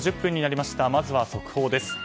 まずは、速報です。